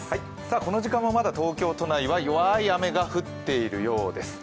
この時間もまだ東京都内は弱い雨が降っているようです。